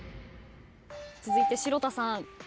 続いて城田さん。